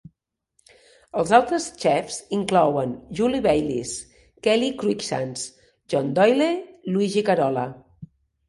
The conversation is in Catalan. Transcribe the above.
Els altres xefs inclouen Julie Baylis, Kelly Cruickshanks, John Doyle i Luigi Carola.